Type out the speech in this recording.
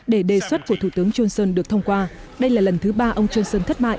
để đề xuất của thủ tướng johnson được thông qua đây là lần thứ ba ông johnson thất mại